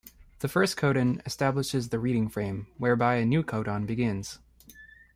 The first codon establishes the reading frame, whereby a new codon begins.